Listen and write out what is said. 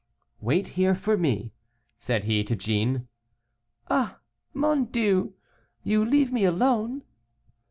"Wait here for me," said he to Jeanne. "Ah, mon Dieu! you leave me alone."